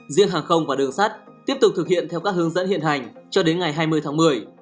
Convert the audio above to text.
riêng hàng không và đường sắt tiếp tục thực hiện theo các hướng dẫn hiện hành cho đến ngày hai mươi tháng một mươi